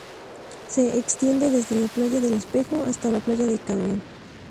Se extiende desde la playa del Espejo hasta la playa de Carrión.